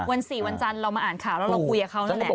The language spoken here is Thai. วัน๔วันจันทร์เรามาอ่านข่าวแล้วเราคุยกับเขานั่นแหละ